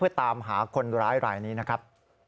เพื่อตามหาคนร้ายรายนี้นะครับ